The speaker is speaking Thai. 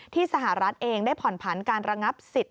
สหรัฐเองได้ผ่อนผันการระงับสิทธิ